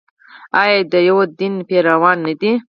آیا د یو دین پیروان نه دي؟